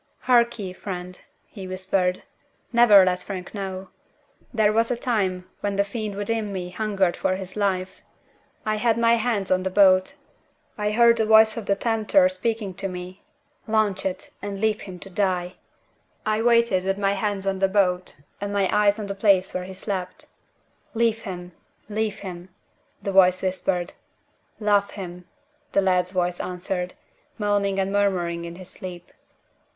"Hark ye, friend," he whispered. "Never let Frank know it. There was a time when the fiend within me hungered for his life. I had my hands on the boat. I heard the voice of the Tempter speaking to me: Launch it, and leave him to die! I waited with my hands on the boat, and my eyes on the place where he slept. 'Leave him! leave him!' the voice whispered. 'Love him!' the lad's voice answered, moaning and murmuring in his sleep.